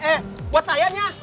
eh buat saya nyah